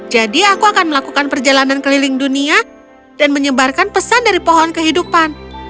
jadi aku akan melakukan perjalanan keliling dunia dan menyebarkan pesan dari pohon kehidupan